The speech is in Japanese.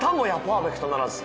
パーフェクトならず。